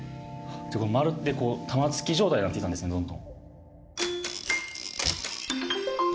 まるで玉突き状態になっていったんですねどんどん。